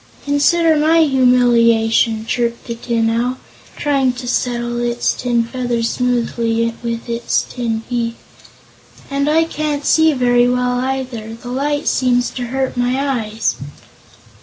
"Consider my humiliation!" chirped the Tin Owl, trying to settle its tin feathers smoothly with its tin beak. "And I can't see very well, either. The light seems to hurt my eyes."